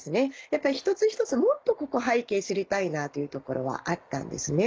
やっぱり一つ一つもっとここ背景知りたいなというところはあったんですね。